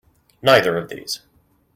Neither of these.